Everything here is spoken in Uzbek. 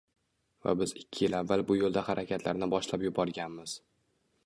Va biz ikki yil avval bu yo‘lda harakatlarni boshlab yuborganmiz.